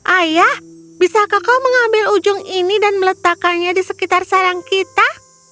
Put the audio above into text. ayah bisakah kau mengambil ujung ini dan meletakkannya di sekitar sarang kita